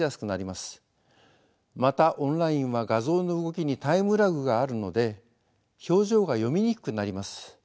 またオンラインは画像の動きにタイムラグがあるので表情が読みにくくなります。